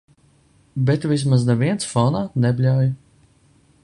Bet vismaz neviens fonā nebļauj.